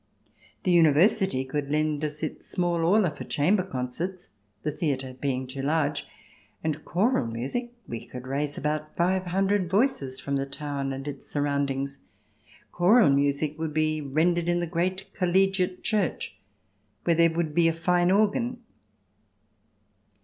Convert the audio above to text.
The University would lend us its small Aula for chamber concerts, the theatre being too large ; and choral music — we could raise about five hundred voices from the town and its surroundings — choral music would be ren dered in the great collegiate church, where there would be a fine organ.